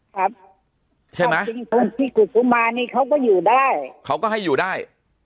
ครับใช่ไหมจริงคนที่กุมานี่เขาก็อยู่ได้เขาก็ให้อยู่ได้